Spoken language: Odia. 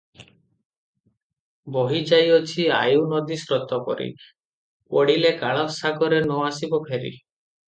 ବହିଯାଇଅଛି ଆୟୁ ନଦୀସ୍ରୋତ ପରି ପଡିଲେ କାଳ ସାଗରେ ନ ଆସିବ ଫେରି ।